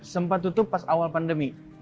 sempat tutup pas awal pandemi